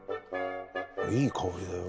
いい香りだよ。